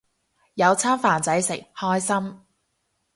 有餐飯仔食，開心